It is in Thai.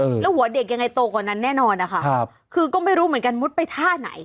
แล้วหัวเด็กยังไงโตกว่านั้นแน่นอนนะคะครับคือก็ไม่รู้เหมือนกันมุดไปท่าไหน